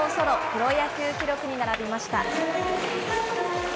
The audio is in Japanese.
プロ野球記録に並びました。